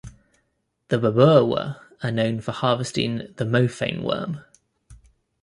The babirwa are known for harvesting the mophane worm.